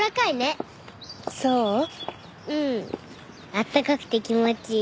あったかくて気持ちいい。